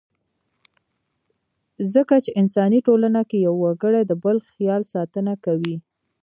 ځکه چې انساني ټولنه کې يو وګړی د بل خیال ساتنه کوي.